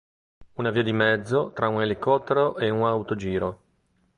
Un via di mezzo tra un elicottero e un autogiro.